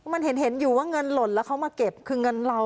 มันเห็นอยู่ว่าเงินหล่นแล้วเขามาเก็บคือเงินเรา